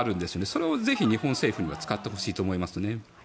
それをぜひ日本政府には使ってほしいですね。